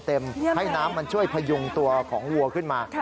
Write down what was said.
เที่ยมเลยให้น้ำมันช่วยพยุงตัวของวัวขึ้นมา